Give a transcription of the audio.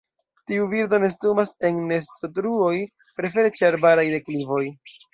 Tiu birdo nestumas en nestotruoj, prefere ĉe arbaraj deklivoj.